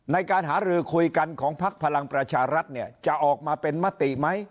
ในการหารือคุยกันของพักพลังประชารัฐเนี่ยจะออกมาเป็นมติไหม